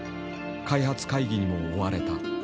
開発会議にも追われた。